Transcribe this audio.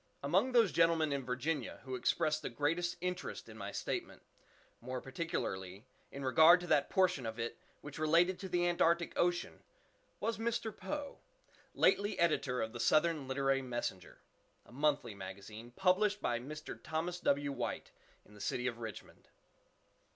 Among those gentlemen in Virginia who expressed the greatest interest in my statement, more particularly in regard to that portion of it which related to the Antarctic Ocean, was Mr. Poe, lately editor of the "Southern Literary Messenger," a monthly magazine, published by Mr. Thomas W. White, in the city of Richmond.